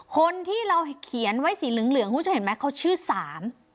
คนที่เราเขียนไว้สีเหลืองเหลืองคุณผู้ชมเห็นไหมเขาชื่อสาม